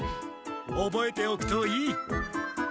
おぼえておくといい。